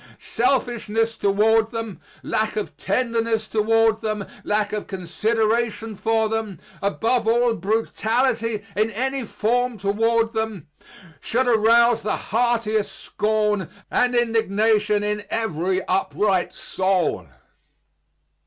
Selfishness toward them, lack of tenderness toward them, lack of consideration for them, above all, brutality in any form toward them, should arouse the heartiest scorn and indignation in every upright soul.